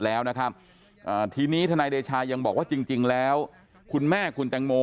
แล้วนะครับทีนี้ทนายเดชายังบอกว่าจริงแล้วคุณแม่คุณแตงโม